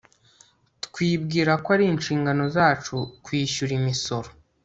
Twibwira ko ari inshingano zacu kwishyura imisoro